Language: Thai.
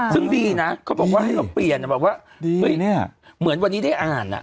ซึ่งดีนะเขาบอกว่าให้เราเปลี่ยนแบบว่าเฮ้ยเนี่ยเหมือนวันนี้ได้อ่านอ่ะ